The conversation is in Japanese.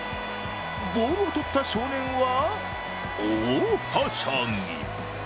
ボールを捕った少年は大はしゃぎ。